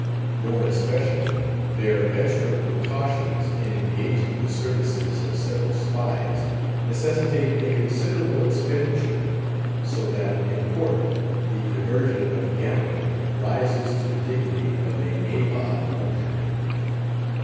More especially, their extra precautions in engaging the services of several spies, necessitate a considerable expenditure, so that, in port, the diversion of gambling rises to the dignity of a nabob luxury.